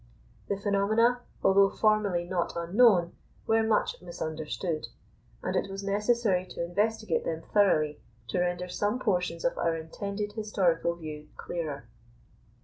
The phenomena, although formerly not unknown, were much misunderstood; and it was necessary to investigate them thoroughly to render some portions of our intended historical view clearer.